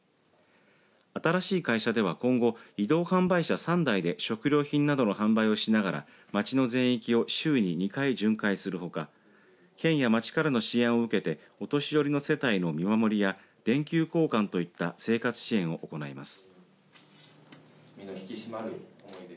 新しい会社では今後移動販売車３台で食料品などの販売をしながら町の全域を週に２回、巡回するほか県や町からの支援を受けてお年寄りの世帯の見守りや電球交換といった生活支援を行います。